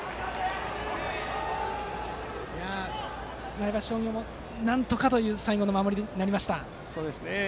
前橋商業もなんとかという最後の守りになりました。